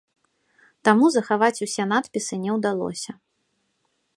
Таму захаваць усе надпісы не ўдалося.